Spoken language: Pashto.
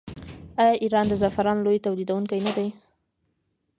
آیا ایران د زعفرانو لوی تولیدونکی نه دی؟